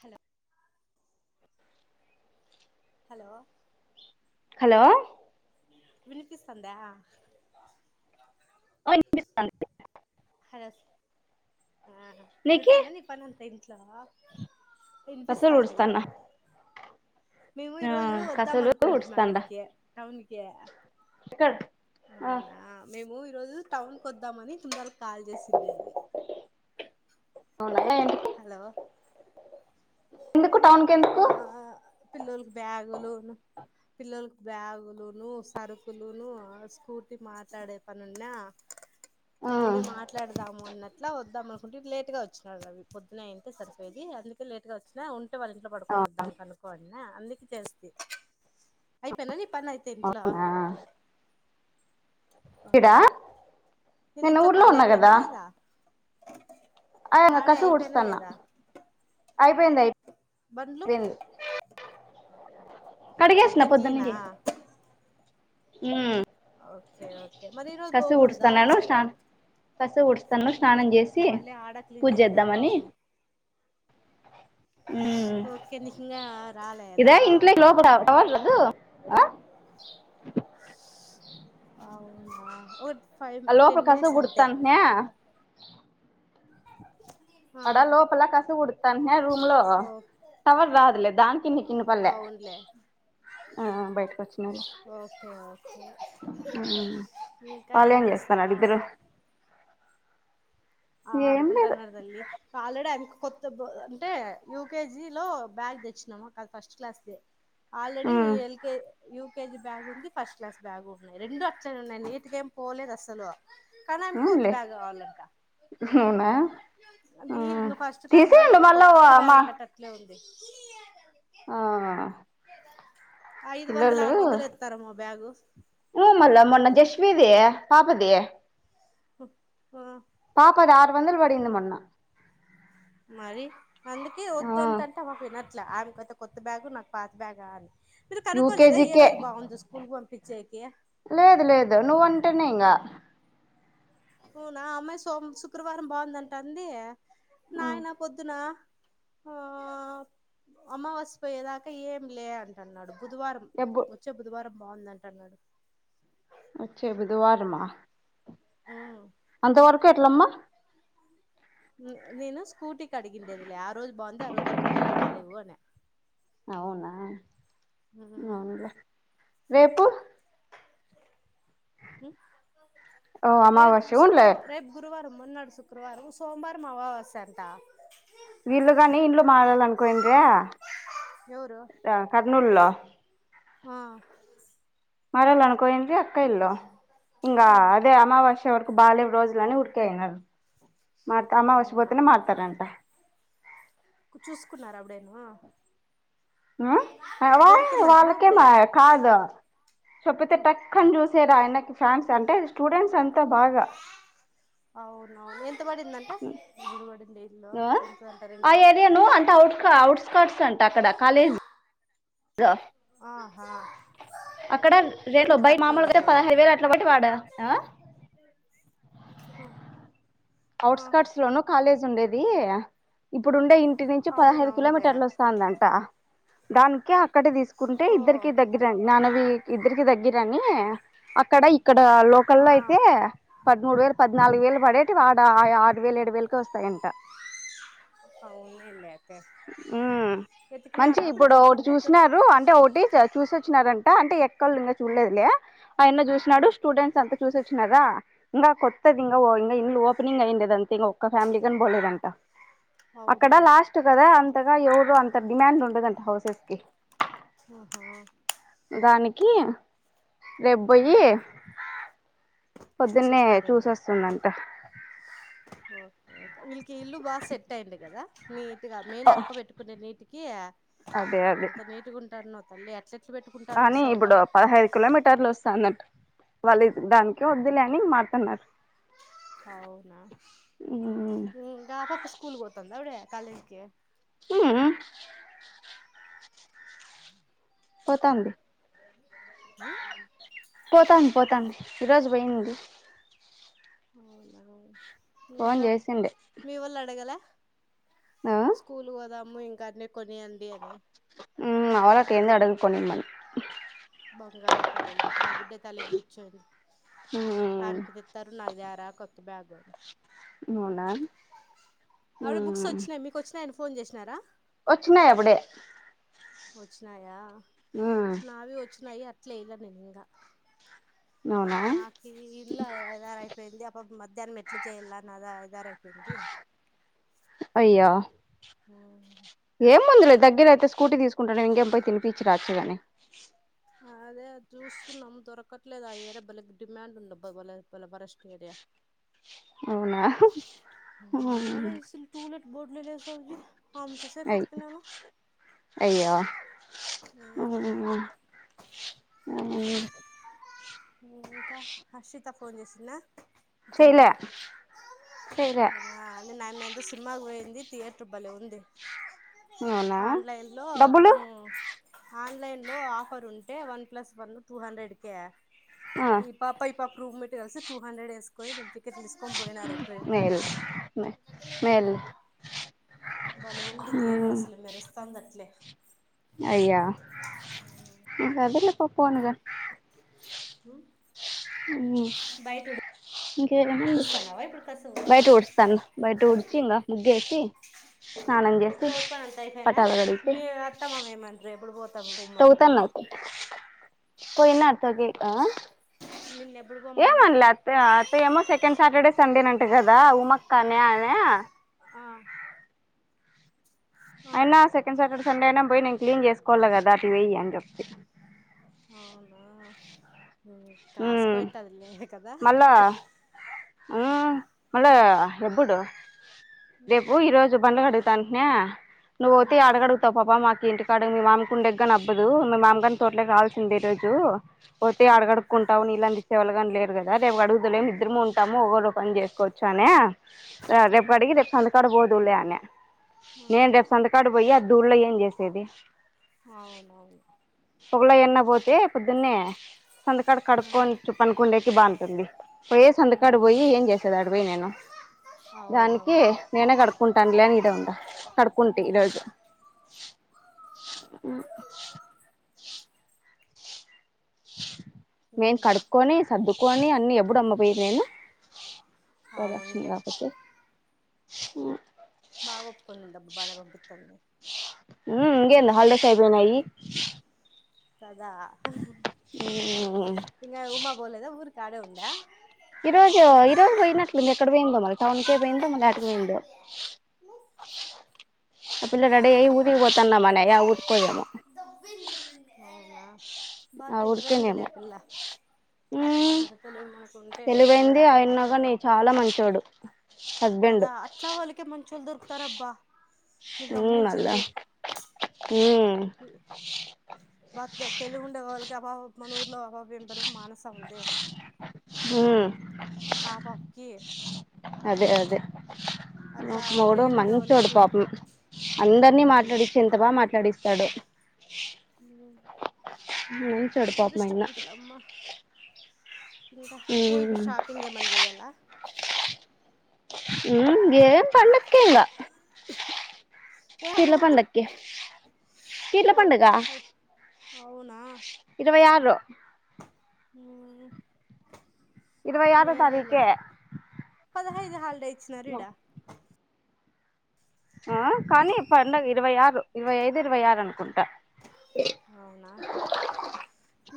Hello hello hello వినిపిస్తందా. ఆ వినిపిస్తాంది హరస్ ఆహ నీకి అయిపోయిందా నీ పని అంత ఇంట్ల విన్ కసులు తినిపిస్తాందిలే ఊడుస్తాన్న మేము ఈ ఆ రోజు ఒద్దాం కసులు అనుకుంటానా ఊడుస్తాండ అక్కడికే టౌన్ కి ఎక్కడ ఆ అవునా మేము ఈరోజు టౌన్ కు ఓద్దామని తుందల్ కాయిల్ జేసిందెందే అవునా ఎన్ హలో ఎందుకు టౌన్కు కేందు ఆ పిల్లోల్కి బ్యాగులు ను పిల్లోల్కు బ్యాగూలును సరుకులునూ ఆ స్కూటీ మాట్లాడే పనున్న ఆ అన్ని మా మాట్లాడదాము అన్నట్లా వోద్దాం అనుకుంటి లేట్గా ఒచ్చినాడు అవి పొద్దునాయింటే సరిపోయేది అందుకే లేట్ ఇ ఒచ్చిన ఉంటే వాళ్ళ ఇంట్లో పడుకొని ఒద్దాం కనుక్కడినా అందుకు చేస్తి అయిపోనా పి పని అయితే ఇట్లా అవునా ఆ ఇడా నేను మీదింట్లో ఊర్లో పని ఉన్నా అయిపోయిన్ద లేదా అ ఆడే కసు అయిపోయినా కుడ్స్తాన్న లేదా అయిపోయింది అయిపో బండ్లు కడిగేస్న మొత్తం పొద్దున్నె క్లీనా లే ఊమ్ ఓకే ఓకే మరి ఈరోజు కసు పోకూడదా ఉడుస్తన్నాను సం కసు ఉడుస్తాను స్నానం జేసీ మళ్ళీ ఆడ క్లీన్ పూజ్ చేయాలి కదా జేద్దాంమని పాపం ఉమ్ ఓకే నీకు ఇంగా రాలేదా ఇదే ఇంట్లో లోపల [unintelligible] అ అవునా ఓర్ ఫైమ్ లోపల టెన్ కసువు మినట్స్ అంతే ఊడుత్తాంట్నా అ అడా లోపల కసు ఉడుతాన్ట్నే రూమ్ లో ఓ తవర్ రాద్లే దాన్కి నిక్ ఇనాపల్లె అవునులే ఆ బైట్కోచ్చిన ఊ ఓకే ఓకే ఇంకా ఏం పాలెం జేస్తానారు చేస్తాన్నావ్ ఇద్రును ఆ ఏం లేదు డుకుంటాన్నరు దల్లి పాలడామ్ అ కొత్త బో అంటే యూకేజీ లో బ్యాగ్ దెచ్చినామ కాద్ ఫస్ట్ క్లాస్ దె already um ఎల్కె you KG bag ఉంది ఫస్ట్ క్లాస్ బ్యాగ్ ఉన్నాయి రెండు అట్లనే ఉన్నాయి నీటిగేం పోలేదు అసలు కనీ అనిక్ కొత్త అవునులే బ్యాగ్ గావాలంట అవునా ఆ [unintelligible] ఫస్ట్ క్లాస్ బ్యాగ్ తీసేయండి అయితే మళ్ళా కొత్త బ్యాగ్ మా అక్కట్ట ఆట్లే ఉంది ఆ ఐదు వందలు ఆరు వందలు ఎస్తరామ్మా బ్యాగు ఉ మల్ల మొన్న జశ్వి ది పాప ది ఆ పాపది ఆరు వందలు పడింది మొన్న మరి అందుకే ఆ వద్దుంతంటే మా వినట్లే ఆమెకి అయితే కొత్త బ్యాగు నాకు పాత బ్యాగ అని మీరు కనుక్కకోలేద ఏ యూకేజీకే రోజు బాగుందో స్కూల్కి పంపించేకి లేదు లేదు నువ్వటేనే ఇంగ ఉనా అమ్మాయి సోమ శుక్రవారం బాగుందంట అంది నయన పొద్దునా ఆ అమావస్య పోయేదాకా ఏం లే అంట అన్నాడు బుధవారం ఎబ్బు వచ్చే బుధవారం బాగుంది అంట అన్నాడు వచ్చే బుధవారమ ఉమ్ అంతవరకు ఎట్లమ్మ నేన స్కూటీ అడిగిందిలే ఆరోజు బాగుంది ఆ రోజు అక్క రోజులు బాలేవు అన అవున ఆ రేపు ఓ రేపు అమావాస్య ఉన్లే శుక్రవ రే గురువారం మన్నాడు శుక్రవారం సోమవారం అవావాసాంట వీళ్ళు గాని ఇల్లు మారాలని [unintelligible] ఎవరు కర్నూలులో ఆ మరాలనీ [unintelligible] ఇంగా అదే అమావాస్య వరకు బలేవు రోజులని ఉడికే అయినారు మత అమావాస అవునా పోతేనే మారతారంట చూసుకున్నార అప్పుడేను వా దొరికిందంటనా అప్పుడే వాళ్ళకమీ కాదు [unintelligible] టక్ అని [unintelligible] ఆయనకి ఫ్యాన్స్ అంటే స్టూడెంట్స్ అంతా బాగా అవునవును ఎంత పడింది అంట [unintelligible] ఆ ఏరియాను అంటే అఔట్స్కర్ట్స్ అంట అక్కడ కాలేజ్ ఆహా అక్కడ రెండు రెంట్ అబ్బాయి తక్కువే మామూలుగా ఆయితే ఉంటాయిలే పదహైదు వేలు అట్ల బట్టి వాడా ఆ [unintelligible] లోనూ కాలేజ్ ఉండేది ఇప్పుడుండే ఇంటి నించి పదహైదు అవునవునులే కిలోమీటర్లు వస్తంది [unintelligible] దానికి అక్కడే తీసుకుంటే ఓ ఇద్దరికి దగ్గిరండి నానవి ఇద్దరికి దగ్గిర అని అక్కడ ఇక్కడ లోకల్ ఆ అయితే పదమూడు వేలు పద్నాలుగు వేలు పడే వాడ ఆరు వేలు ఏడు వేలకే వస్తాయంట అవునులే అయితే ఉ మంచి వెతికినారా అప్పుడు ఇప్పుడు ఒకటి దొరికిందా దొరికి చూసినారు అంటే ఒకటి చూస వచ్చినారంట అంటే ఎక్కళు ఇంకా చూడలేదులే ఆయన చూసినడు స్టూడెంట్స్ అంత చూసొచ్చినారా ఇంకా కొత్తది ఇంక [unintelligible] ఇల్లు ఓపెనింగ్ అయిండేదంతే ఇంకా ఒక్క ఫ్యామిలీ కూడా పోలేదంట అక్కడ అవునవును లాస్ట్ కదా ఏ అంతగ ఎవరు అంత డిమాండ్ ఉండదంట హౌసెస్ కి ఆహా దానికి రేప్బోయ్యి చూసొస్తారే చూసొస్తుందంట ఓకే ఓకే వీళ్ళకి ఈ ఇల్లు బా సెట్ అయింది కదా నీ ది మెయిన్ అక్క పెట్టుకునే నీటికి అదే అదే ఎంత నీట్గా ఉంటానో తల్లి అట్లే ఎట్ల పెట్టుకుంటారో సౌజి పటర్లు వస్తాదంట వాళ్ళు దానికి వద్దులే అని మారాతన్నారు అవునా ఉమ్ ఇంగ ఆ పాప స్కూల్ కి పోతుందా కాలేజ్ కి మ్మ్ పోతాంది మ్మ్ పోతాంది పోతాంది ఈరోజు పోయింది అవునా ఫోన్ ఇంకా చేసిండే మీ వొళ్ళు అడగల ఆ స్కూల్ కి పోదాము ఇంకా అన్ని కొనియండి అని మ్మ్ మా వాళ్ళు అట్లేంది అడగరు కొనిమ్మని బంగారు తల్లులు నా బిడ్డ తలెక్కి కుచ్చోదు మ్మ్ ఆమెకి తేత్తారు నాకు త్యార కొత్త బ్యాగ్ అవునా అవును బుక్స్ మ్మ్ వచ్చినాయి మీకు వచ్చినాయని ఫోన్ చేసినారా వచ్చినయి అప్పుడే వచ్చినాయా మ్మ్ నావి వచ్చినాయి అట్లే ఏల్లలే నేను ఇంగ అవునా నాకు ఈ ఇల్లు అదారు అయిపోయింది ఆ పాప మధ్యాహ్నం ఎట్ల చేయాల అదా అదారు అయిపోయింది అయ్యో మ్మ్ ఏముందిలే దగ్గర అయితే స్కూటీ తీసుకుంటా నే ఇంకేం పోయి తినిపించిరాచ్చు గాని అదే జుస్తున్నాం దొరకట్లేదు ఆ ఏరియా భలే డిమాండ్ ఉందబ్బ బలే భలే వరెస్ట్ ఏరియా అవునా ఇంగ మ్మ్ లేదు అస్సలు టూలెట్ బోడ్లే లేవు సౌజి అంత సేపు అయ్ వెతికినాను అయ్యో మ్మ్ హు మ్మ్ హు ఇంకా హర్షిత ఫోన్ చేసిన్న సెల్లు చేయలే లో చేయలే ఆహా నిన్న అయమ్మే సినిమాకు పోయింది థియేటర్ భలే ఉంది అవునా ఆన్లైన్ లో డబ్బులు ఉ ఆన్లైన్లో ఆఫర్ ఉంటే one plus one two hundred కే ఆ ఈ పాప ఈ పాప రూమ్మేట్ కలిసి టూ హండ్రెడ్ ఎస్ కొని రెండు టికెట్లు తీసుకొని పోయినారు క్రెడిట్ కార్డ్ మేల్ లో మే మేల్ భలే ఉంది థియేటర్ మ్మ్ అస్సలు మెరుస్తంది అట్లే అయ్యా ఇంక వద్దులే పో పోనీగా మ్మ్ మ్మ్ ఉడుస్తాన్నావా ఇప్పుడు కసువు బయట ఊడుస్తాను బయట ఊడ్చి ఇంగ ముగ్గేసి స్నానం చేసి తోట్ పని అంతా అయిపాయిన పటాలు మీ అత్త మామ ఏమంటారు ఎప్పుడు పో తోగుతన్నాం పోయినారు తొగేకి ఆ నిన్ను ఎప్పుడు పొమ్మనే ఏమన్లే అత్తయ్య ఏమో సెకండ్ సాటర్డే సండేనంట కదా ఉమక్కనే అనే ఆ ఆ అయినా సెకండ్ సాటర్డే సండే అయినా పోయి నేను క్లీన్ చేసుకోవాలి కదా అటు పోయ్యి అని చెప్తి అవునా మ్మ్ కాస్కోయిట్దిలి కదా ఆ మళ్ళా ఎపుడు రేపు ఈ రోజు పండుగాడు అటనే ఆ నువ్వుతే ఏడ అడుగుతావు పాప మాకు ఇంటికిడు మీ మామికుండగ్ని నబ్బదు మీ మామగాని చోట్ల కావాల్సింది ఈరోజు పోతే ఆ అడుగడుకుంటావు నీళ్ళ అ చివలగ లేరు కదా రేపు అడుగుతులేము ఇద్దరము ఉంటాము ఒకరు ఓ పని చేసుకోవచ్చు లే అని రేపు కడిగి రెప్ సంతు కడబోదులేే అనే ఆ నేను రేపు సంతకాడు పోయి ఆ దూర్లో ఏం చేసేది అవునవును పగుల ఎన్న పోతే పొద్దున్నే సంతకాడ ఆ కడుక్కొని పనుకుండేకి బాగుంటుంది పోయే సంతకా డికి ఉమ్ పోయి ఏం చేసేది అడి పోయి నేను దానికి అవునవును నేనే కడుకుంటా అండ్లేని ఇడే ఉంద కడుకుంటే ఉమ్ ఈరోజు ఉ నేను ఇంకా కడుక్కొని సర్దుకొని అన్ని ఎప్పుడు అమ్మపోయది నేను ఓవర్ ఆక్షన్ అవునులే కాపోతే బాగా ఒప్పుకుందిడి అబ్బా బలే పంపితంది మ్మ్ ఇంకేంది హాలిడేస్ అయిపోయినాయి కదా ఉ ఇంగ ఉమా పోలేదా ఊరుకి ఆడే ఉందా ఈ రోజు ఈ రోజు పోయినట్లుంది ఎక్కడ పోయిందో మళ్ళీ టౌన్ కి పోయిందో మళ్ళీ ఏడికి పోయిందో ఆ పిల్ల రెడీ అయ్యి ఊరికి పోతాన్న మనయా ఏ ఊర్కోయమో అవునా బా ఆ తెలివైందిలే ఊరికేనేమో ఆ పిల్ల ఆ అంత తెలివి మనకు ఉంటే ఎప్పుడు తెలివైంది ఆ యాడో అన్నగాని బాగుపడేది చాలా మంచోడు హస్బెండ్ కదా అట్లా వాళ్ళకే మంచోళ్ళ దొరుకుతారబ్బా నేను ఉమ్ మళ్ళా గమనించింది ఉమ్ బాగా తెలివి ఉండే వాళ్ళకి మన ఊర్లో విబరు మానస ఉందే ఉమ్ ఆ పాపకి అదే అదే అట్లా మొగుడు తెలివి ఉండే వాళ్ళకి మంచోడు చూడు పాపం అందరినీ అవునా మాట్లాడించి ఎంత బాగా మాట్లాడిస్తాడు ఉమ్ మంచోడు పాపం ఆయన అదృష్టవంతులమ్మ ఇంకా పోయి ఉమ్ ఇప్పుడు షాపింగ్ చేయాలా ఉమ్ ఏం పండక్కేకిగా ఏ పిర్ల పండుగ ఉంది పండగకి ఓ అదే అవునా ఇరవై ఆరు ఉమ్ ఇరవై ఆరో మేలే లే తారీఖే పదహైదు హాలిడే ఇచ్చినారా ఈడ ఆ కానీ ఇప్పుడు పండగ ఇరవై ఆరు ఇరవై ఐదు ఇరవై ఆరు అనుకుంటా అవునా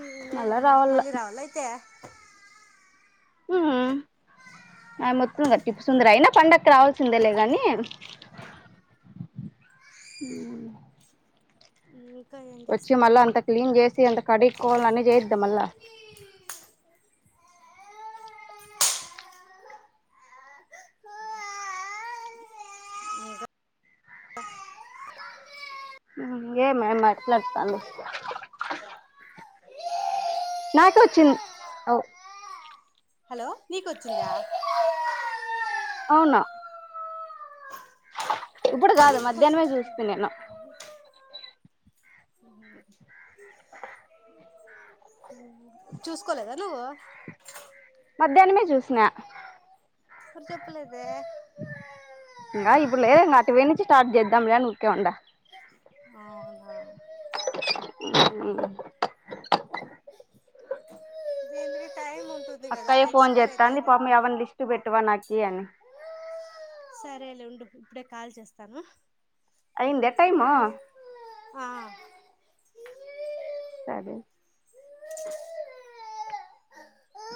ఈ మళ్ళా లేలమ్మా రావాల మళ్ళీ రావాలయితే ఉమ్ ఆమె మొత్తం ఇగ టిప్పు సుందరి అయినా పండకు రావాల్సిందేలే గాని అవు ఉ వచ్చి మళ్ళా అంత క్లీన్ చేసి అంత కడుగోవాలి అని చేయొద్దా మళ్ళా అ ఇకా ఏమి మ అట్లాంటావు నాకే వచ్చింది అ ఓ హలో నీకు వచ్చింద అవునా ఇప్పుడు కాదు మధ్యాహ్నమే చూస్తీ నేను చూసుకోలేదా నువ్వు మధ్యాహ్నమే చూసిన ఎప్పుడు చెప్పలేదే ఇంకా ఇప్పుడు లేదు అటు వే నుంచి స్టార్ట్ చేద్దాంలే అని ఊరికే ఉన్న అవునా ఇది టైం ఉంది అక్కయే ఫోన్ చేస్తాంది మమ్మీ అవని లిస్ట్ పెట్టువా నాకి అని సరేలే ఉండు ఇప్పుడే కాల్ చేస్తాను అయిందా టైము ఆ సరే ఆ